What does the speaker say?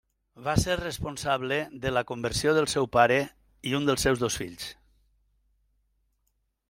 Va ser responsable de la conversió del seu pare i un dels seus dos fills.